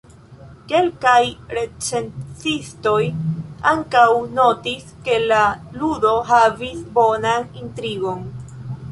Kelkaj recenzistoj ankaŭ notis ke la ludo havis bonan intrigon.